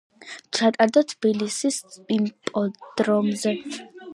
ჩატარდა თბილისის იპოდრომზე.